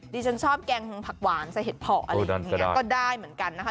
ดิฉันชอบแกงผักหวานใส่เห็ดเพาะอะไรแบบนี้ก็ได้เหมือนกันนะคะ